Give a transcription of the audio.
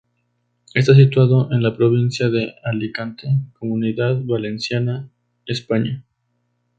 Está situado en la provincia de Alicante, Comunidad Valenciana, España.